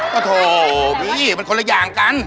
ก็โถพี่มันคนละอย่างกัน